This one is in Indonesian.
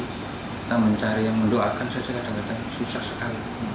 kita mencari yang mendoakan saja kadang kadang susah sekali